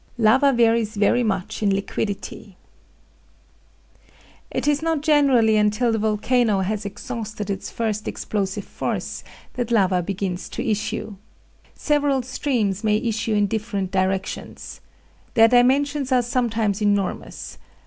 LAVA VARIES VERY MUCH IN LIQUIDITY It is not generally until the volcano has exhausted its first explosive force that lava begins to issue. Several streams may issue in different directions. Their dimensions are sometimes enormous.